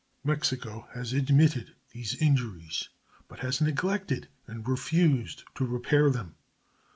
Mexico has admitted these injuries, but has neglected and refused to repair them.